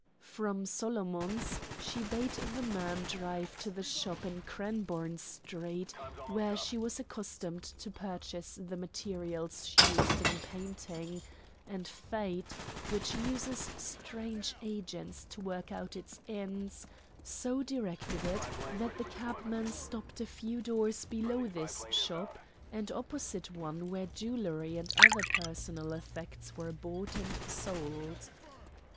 From Solomons's she bade the man drive to the shop in Cranbourne Street where she was accustomed to purchase the materials she used in painting, and Fate, which uses strange agents to work out its ends, so directed it that the cabman stopped a few doors below this shop, and opposite one where jewelry and other personal effects were bought and sold.